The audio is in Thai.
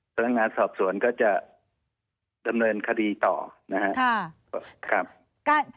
พนักงานสอบสวนก็จะดำเนินคดีต่อนะครับ